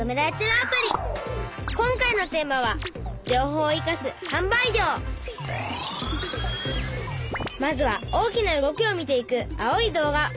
今回のテーマはまずは大きな動きを見ていく青い動画。